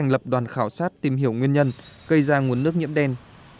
lập đoàn khảo sát tìm hiểu nguyên nhân gây ra nguồn nước nhiễm đen